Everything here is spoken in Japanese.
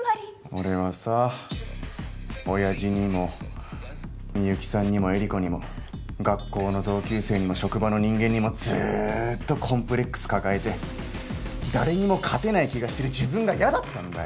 俺はさオヤジにも深雪さんにも衿子にも学校の同級生にも職場の人間にもずーっとコンプレックス抱えて誰にも勝てない気がしてる自分が嫌だったんだよ！